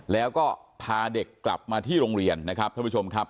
แล้วก็พาเด็กกลับมาที่โรงเรียนนะครับท่านผู้ชมครับ